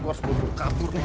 gue harus berburu kapur nih